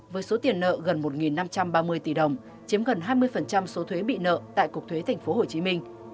với số tiền nợ gần một năm trăm ba mươi tỷ đồng chiếm gần hai mươi số thuế bị nợ tại cục thuế tp hcm